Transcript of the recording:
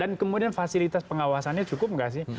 dan kemudian fasilitas pengawasannya cukup tidak sih